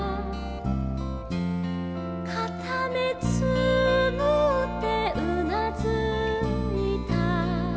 「かためつむってうなずいた」